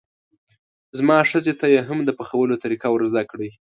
زما ښځې ته یې هم د پخولو طریقه ور زده کړئ.